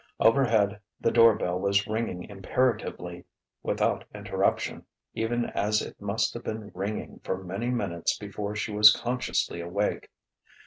Overhead the doorbell was ringing imperatively, without interruption, even as it must have been ringing for many minutes before she was consciously awake.